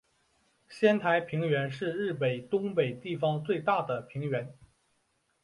仙台平原是日本东北地方最大的平原。